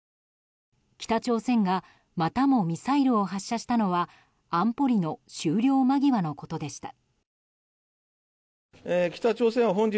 北朝鮮がまたもミサイルを発射したのは安保理の終了間際のことでした。